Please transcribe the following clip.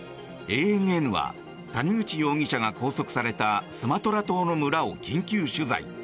ＡＮＮは谷口容疑者が拘束されたスマトラ島の村を緊急取材。